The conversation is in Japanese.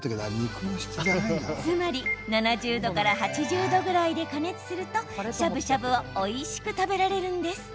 つまり７０度から８０度ぐらいで加熱すると、しゃぶしゃぶをおいしく食べられるんです。